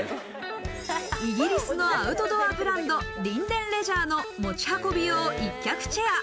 イギリスのアウトドアブランド、リンデンレジャーの持ち運び用一脚チェア。